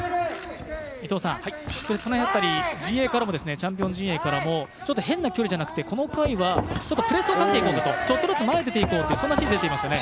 チャンピオン陣営からも、変な距離じゃなくてこの回はプレスをかけていこう、ちょっとずつ前に出て行こうという指示が出ていましたね。